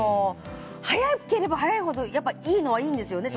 早ければ早いほどいいのはいいんですよね。